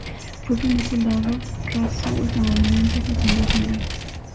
Fue el primer soldado raso estadounidense que ascendió a general.